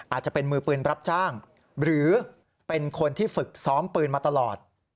อาจจะเป็นมือปืนรับจ้างหรือเป็นคนที่ฝึกซ้อมปืนมาตลอด